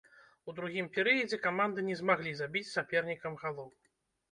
У другім перыядзе каманды не змаглі забіць сапернікам галоў.